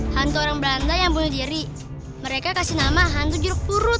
hantu orang belanda yang bunuh jerry mereka kasih nama hantu jeruk purut